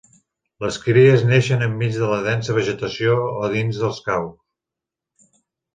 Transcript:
Les cries neixen enmig de la densa vegetació o dins de caus.